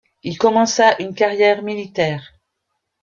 Il commença une carrière militaire.